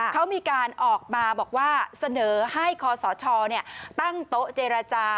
เขามีการออกมาบอกว่าเสนอให้คอสชตั้งโต๊ะเจรจา